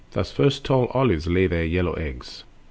Thus first tall olives lay their yellow eggs.